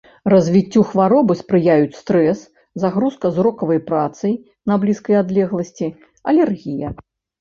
Развіццю хваробы спрыяюць стрэс, загрузка зрокавай працай на блізкай адлегласці, алергія.